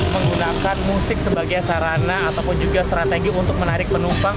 menggunakan musik sebagai sarana ataupun juga strategi untuk menarik penumpang